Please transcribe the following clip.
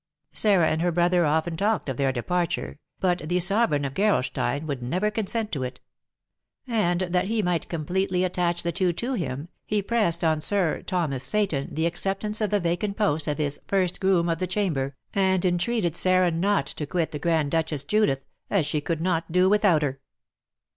Sarah and her brother often talked of their departure, but the sovereign of Gerolstein would never consent to it; and that he might completely attach the two to him, he pressed on Sir Thomas Seyton the acceptance of the vacant post of his "first groom of the chamber," and entreated Sarah not to quit the Grand Duchess Judith, as she could not do without her.